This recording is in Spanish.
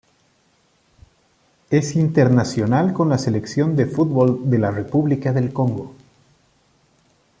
Es internacional con la selección de fútbol de la República del Congo.